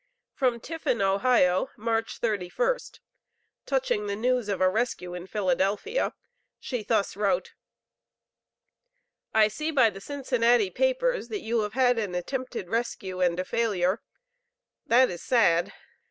From Tiffin, Ohio, March 31st, touching the news of a rescue in Philadelphia, she thus wrote: "I see by the Cincinnati papers that you have had an attempted rescue and a failure. That is sad!